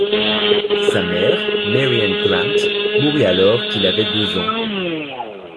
Sa mère, Mary Ann Grant, mourut alors qu'il avait deux ans.